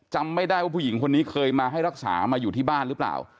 จำไม่ได้ว่าผู้หญิงคนนี้เคยมาให้รักษามาอยู่ที่บ้านหรือเปล่า